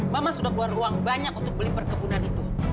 mama sudah keluar ruang banyak untuk beli perkebunan itu